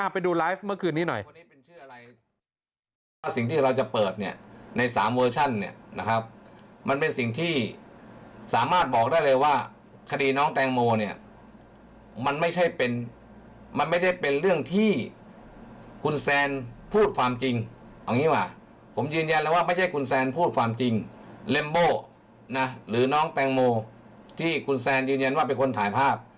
ไปดูไลฟ์เมื่อคืนนี้หน่อย